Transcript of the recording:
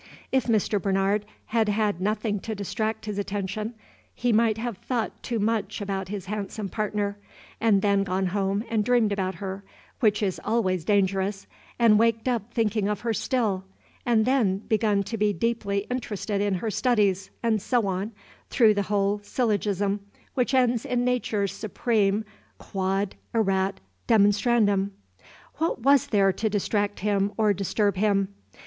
If Mr. Bernard had had nothing to distract his attention, he might have thought too much about his handsome partner, and then gone home and dreamed about her, which is always dangerous, and waked up thinking of her still, and then begun to be deeply interested in her studies, and so on, through the whole syllogism which ends in Nature's supreme quod erat demonstrandum. What was there to distract him or disturb him?